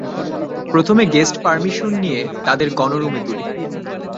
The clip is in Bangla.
প্রথমে গেস্ট পারমিশন নিয়ে তাঁদের গণরুমে তুলি।